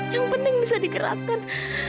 yang penting bisa digerakkan